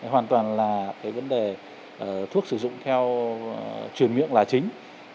hoàn toàn là cái vấn đề thuốc sử dụng theo truyền miệng là chính